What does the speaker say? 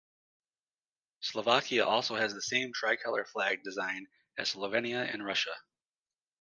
Slovakia also has the same tricolor flag design as Slovenia and Russia.